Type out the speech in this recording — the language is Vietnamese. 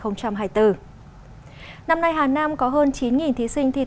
năm nay hà nam có hơn chín thí sinh thi tốt nghiệp